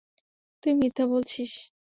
তুই মিথ্যা বলছিস!